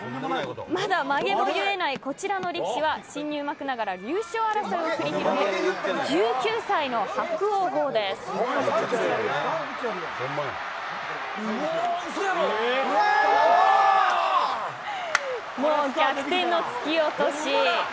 まだ負けの見えないこちらの力士は新入幕ながら優勝争いを繰り広げる１９歳の逆転の突き落とし。